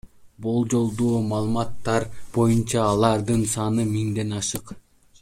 Болжолдуу маалыматтар боюнча, алардын саны миңден ашык.